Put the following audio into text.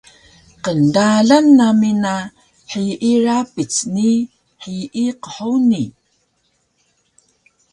Qndalan nami na hiyi rapic ni hiyi qhuni